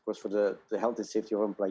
objektif pertama saya adalah